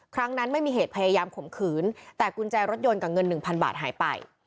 ครั้งนั้นไม่มีเหตุพยายามข่มขืนแต่กุญแจรถยนต์กับเงินหนึ่งพันบาทหายไป